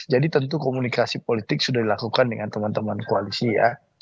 jadi tentu komunikasi politik sudah dilakukan dengan teman teman koalisi ya